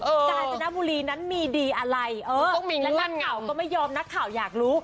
กาญจนบุรีนั้นมีดีอะไรเออและนักข่าวก็ไม่ยอมนักข่าวอยากรู้